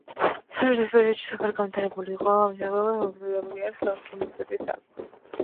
საბჭოთა პერიოდში სოფელში განვითარებული იყო მეჩაიეობა, მოქმედებდა კირის ქარხანა და მოზაიკის საამქრო.